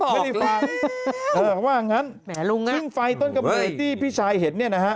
ไม่ได้ฟังเขาว่างั้นซึ่งไฟต้นกำเนิดที่พี่ชายเห็นเนี่ยนะฮะ